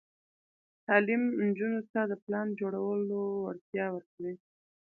تعلیم نجونو ته د پلان جوړولو وړتیا ورکوي.